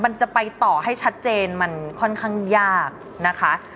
มันจะไปต่อให้ชัดเจนมันค่อนข้างยากนะคะ